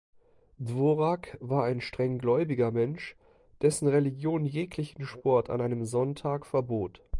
Dvorak war ein streng gläubiger Mensch, dessen Religion jeglichen Sport an einem Sonntag verbot.